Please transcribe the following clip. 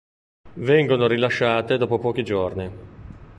Vengono rilasciate dopo pochi giorni.